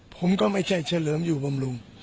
ผมก็ไม่ใช่เฉลิมอยู่บำรุง